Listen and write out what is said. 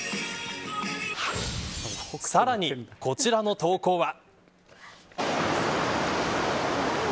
さらに、こちらの投稿は。